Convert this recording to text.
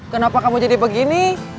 kenapa kamu jadi begini